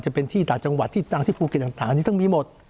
จะเป็นที่ต่างจังหวัดที่ต่างที่ภูเก็ตต่างนี่ต้องมีหมด